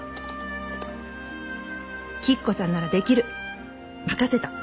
「吉子さんならできる」「任せた。